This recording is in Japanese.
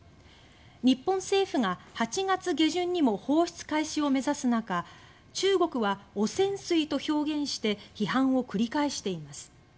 日本政府が８月下旬にも放出開始を目指す中中国は「汚染水」と表現して批判を繰り返しています。